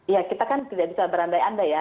ya kita kan tidak bisa berandai andai ya